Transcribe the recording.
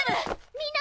みんな！